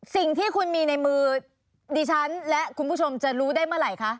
สิ่งที่คุณมีในมือดิฉันและคุณผู้ชมจะรู้ได้เมื่อไหร่คะ